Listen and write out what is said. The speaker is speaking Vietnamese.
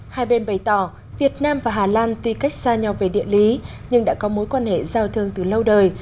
hai bên bày tỏ việt nam và hà lan tuy cách xa nhau về địa lý nhưng đã có mối quan hệ giao thương từ lâu đời